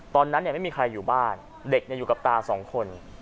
ตอนนั้นไม่มีใครอยู่บ้านเด็กอยู่กับตาสองคน